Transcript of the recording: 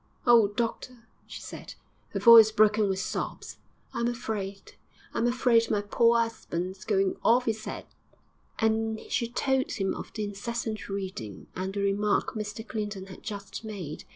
'Oh, doctor,' she said, her voice broken with sobs, 'I'm afraid I'm afraid my poor 'usband's going off 'is 'ead.' And she told him of the incessant reading and the remark Mr Clinton had just made.